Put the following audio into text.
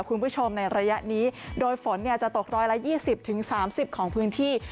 คุณผู้ชมในระยะนี้โดยฝนเนี้ยจะตกร้อยละยี่สิบถึงสามสิบของพื้นที่